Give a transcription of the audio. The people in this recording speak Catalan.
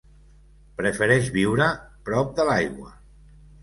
Prefereix viure prop de l'aigua.